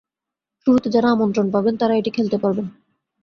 শুরুতে যাঁরা আমন্ত্রণ পাবেন, তাঁরা এটি খেলতে পারবেন।